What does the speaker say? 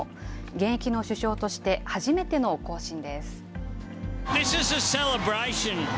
現役の首相として初めての行進です。